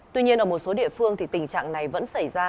tuy nhiên ở một số địa phương thì tình trạng này vẫn xảy ra